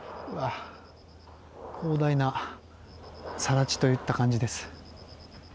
広大な更地といった感じです。